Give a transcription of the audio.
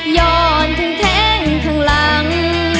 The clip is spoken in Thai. ย้อนถึงแท่งข้างหลัง